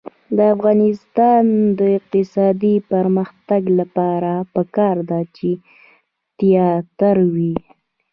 د افغانستان د اقتصادي پرمختګ لپاره پکار ده چې تیاتر وي.